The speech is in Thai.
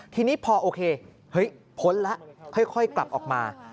ทีนี้พอโอเคเฮ้ยพ้นแล้วค่อยกลับออกมา